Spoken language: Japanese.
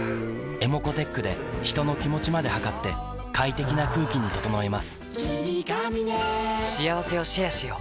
ｅｍｏｃｏーｔｅｃｈで人の気持ちまで測って快適な空気に整えます